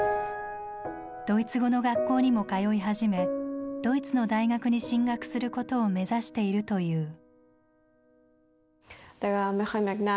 ドイツ語の学校にも通い始めドイツの大学に進学することを目指しているという。